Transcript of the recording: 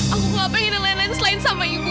aku tidak ingin yang lain lain selain sama ibu om